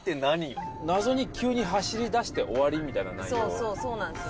そうそうそうなんです